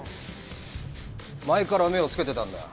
前から目を付けてたんだ。